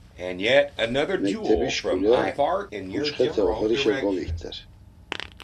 Mektebi şkule ǩuçxete oxorişe govikter.